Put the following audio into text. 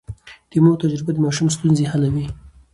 د مور تجربه د ماشوم ستونزې حلوي.